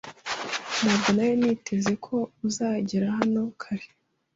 Ntabwo nari niteze ko uzagera hano kare.